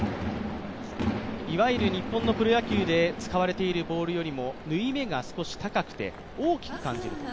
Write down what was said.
いわゆる日本のプロ野球で使われているボールよりも縫い目が少し高くて大きく感じると。